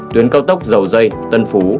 tuyến cao tốc dầu dây tân phú